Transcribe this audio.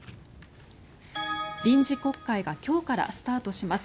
臨時国会が今日からスタートします。